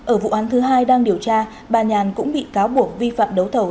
ở vụ án thứ hai đang điều tra bà nhàn cũng bị cáo buộc vi phạm đấu thầu